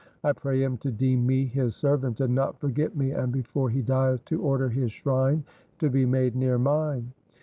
I pray him to deem me his servant and not forget me, and before he dieth to order his shrine to be made near mine.'